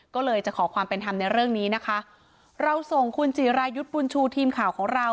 ก็เลยจะขอความเป็นธรรมในเรื่องนี้นะคะเราส่งคุณจิรายุทธ์บุญชูทีมข่าวของเรา